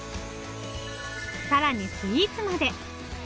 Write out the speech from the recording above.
更にスイーツまで。